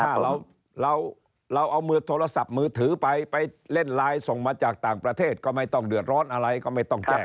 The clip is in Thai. ถ้าเราเราเอามือโทรศัพท์มือถือไปไปเล่นไลน์ส่งมาจากต่างประเทศก็ไม่ต้องเดือดร้อนอะไรก็ไม่ต้องแจ้ง